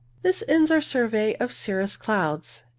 This ends our survey of cirrus clouds.